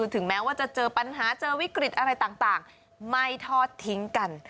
ถึงแม้ว่าจะเจอปัญหาเจอวิกฤตอะไรต่างไม่ทอดทิ้งกัน